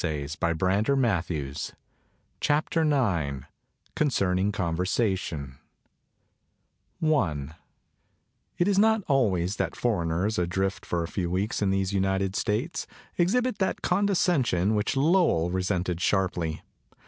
146 IX CONCERNING CONVERSATION IX CONCERNING CONVERSATION IT is not always that foreigners, adrift for a few weeks in these United States, exhibit that condescension which Lowell resented sharply.